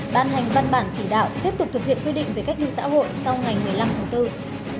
ban hành văn bản chỉ đạo tiếp tục thực hiện quy định về cách ly xã hội sau ngày một mươi năm tháng bốn